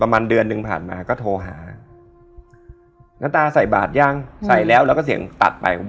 รู้ชะตากรรม